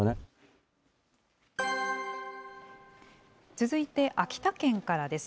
続いて秋田県からです。